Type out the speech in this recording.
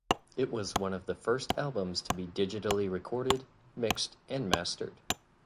It was one of the first albums to be digitally recorded, mixed, and mastered.